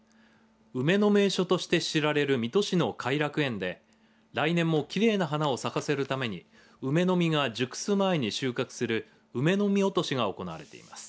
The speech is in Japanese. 梅の名所として知られる水戸市の偕楽園で来年もきれいな花を咲かせるために梅の実が熟す前に収穫する梅の実落としが行われています。